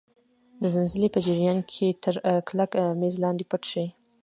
د زلزلې په جریان کې تر کلک میز لاندې پټ شئ.